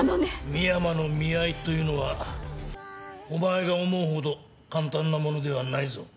深山の見合いというのはお前が思うほど簡単なものではないぞ。